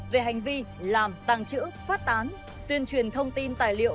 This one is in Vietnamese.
về hành vi làm tàng trữ phát tán tuyên truyền thông tin tài liệu